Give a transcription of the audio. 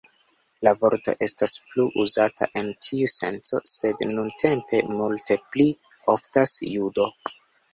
La vorto estas plu uzata en tiu senco, sed nuntempe multe pli oftas "judo".